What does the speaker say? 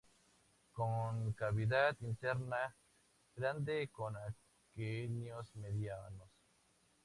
Con cavidad interna grande, con aquenios medianos.